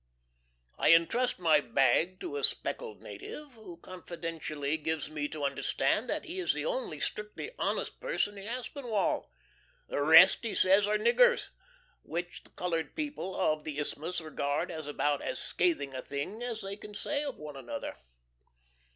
I intrust my bag to a speckled native, who confidentially gives me to understand that he is the only strictly honest person in Aspinwall. The rest, he says, are niggers which the colored people of the Isthmus regard as about as scathing a thing as they can say of one another.